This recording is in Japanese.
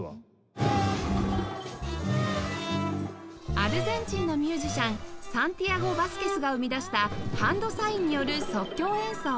アルゼンチンのミュージシャンサンティアゴ・バスケスが生み出したハンドサインによる即興演奏